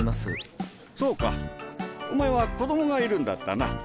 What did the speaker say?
そうかお前は子供がいるんだったな。